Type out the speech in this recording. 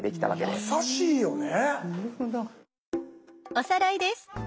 おさらいです。